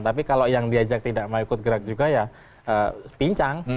tapi kalau yang diajak tidak mau ikut gerak juga ya pincang